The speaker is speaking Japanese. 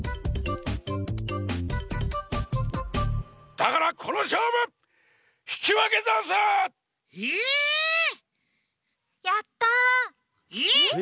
だからこのしょうぶひきわけざんす！え！？やった！えっ！？